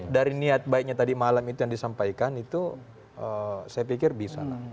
dari niat baiknya tadi malam itu yang disampaikan itu saya pikir bisa lah